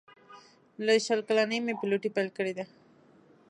له شل کلنۍ مې پیلوټي پیل کړې ده.